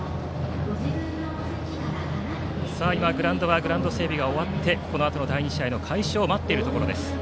今、グラウンド整備が終わってこのあとの第２試合の開始を待っているところです。